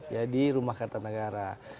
ya di rumah kartanegara